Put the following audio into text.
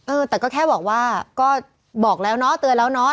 เออแต่ก็แค่บอกว่าก็บอกแล้วเนาะเตือนแล้วเนาะ